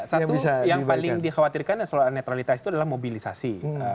satu yang paling dikhawatirkan adalah mobilisasi